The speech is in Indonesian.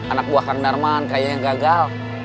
anak buah kang darman kayaknya gagal